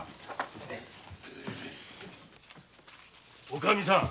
おかみさん。